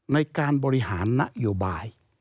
ในการบริหารนโยบาย